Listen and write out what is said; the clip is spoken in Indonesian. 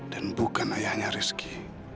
dan bukan ayahnya rizky